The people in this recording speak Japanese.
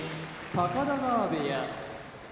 高田川部屋